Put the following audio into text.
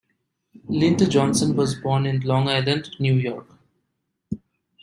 Linda Johnson was born in Long Island, New York.